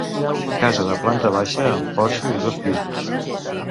Casa de planta baixa, amb porxo, i dos pisos.